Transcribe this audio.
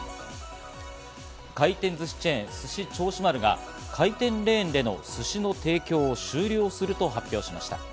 回転寿司チェーン・すし銚子丸が回転レーンでの寿司の提供を終了すると発表しました。